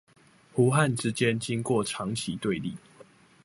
胡漢之間經過長期對立